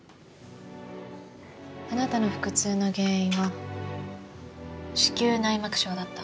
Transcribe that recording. あなたの腹痛の原因は子宮内膜症だった。